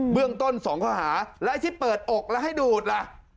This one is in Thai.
เรื่องต้น๒ข้อหาแล้วไอ้ที่เปิดอกแล้วให้ดูดล่ะ